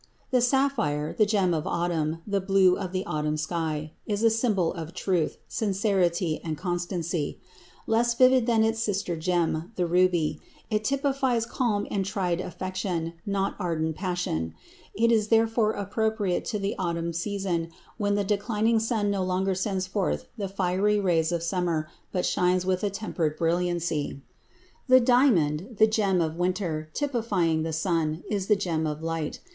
The sapphire—the gem of autumn, the blue of the autumn sky—is a symbol of truth, sincerity, and constancy. Less vivid than its sister gem, the ruby, it typifies calm and tried affection, not ardent passion; it is therefore appropriate to the autumn season, when the declining sun no longer sends forth the fiery rays of summer but shines with a tempered brilliancy. The diamond, the gem of winter, typifying the sun, is the gem of light.